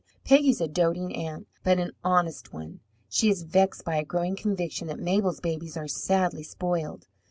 Peggy is a doting aunt, but an honest one. She is vexed by a growing conviction that Mabel's babies are sadly spoiled.